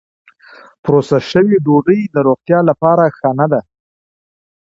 پروسس شوې ډوډۍ د روغتیا لپاره ښه نه ده.